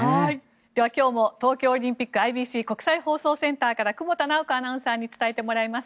では、今日も東京オリンピックＩＢＣ・国際放送センターから久保田直子アナウンサーに伝えてもらいます。